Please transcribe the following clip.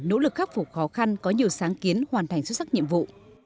nỗ lực khắc phục khó khăn có nhiều sáng kiến hoàn thành xuất sắc nhiệm vụ